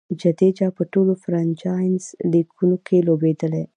جډیجا په ټولو فرنچائز لیګونو کښي لوبېدلی.